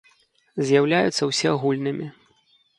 З’яўляюцца ўсеагульнымі.